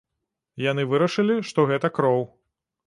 Яны вырашылі, што гэта кроў.